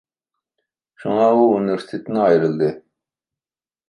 شۇڭا ئۇ ئۇنىۋېرسىتېتتىن ئايرىلدى.